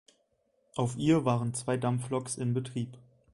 Auf ihr waren zwei Dampfloks in Betrieb.